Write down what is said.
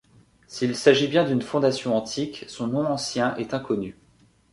S'il s'agit bien d'une fondation antique, son nom ancien est inconnu.